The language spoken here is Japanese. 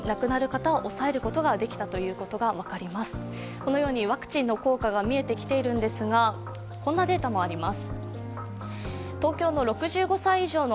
このようにワクチンの効果が見えてきているんですがこんなデータもあります。